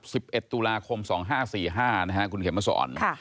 สิบเอ็ดตุลาคมสองห้าสี่ห้านะฮะคุณเข็มมาสอนค่ะ